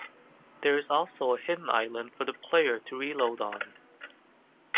There is also a hidden island for the player to reload on.